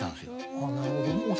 あぁなるほど。